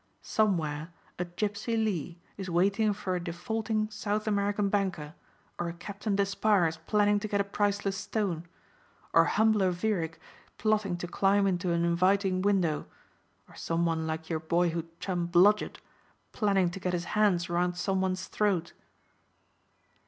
Somewhere a Gipsey Lee is waiting for a defaulting South American banker or a Captain Despard is planning to get a priceless stone, or a humbler Vierick plotting to climb into an inviting window, or some one like your boyhood chum Blodgett planning to get his hands around some one's throat."